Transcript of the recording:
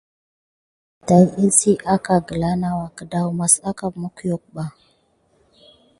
Bukine tay kizikia aka gəla nawua pay gedamase àka mekok ɓa.